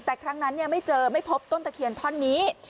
แต่ครั้งนั้นไม่เจอไม่พบต้นตะเคียนท่อนนี้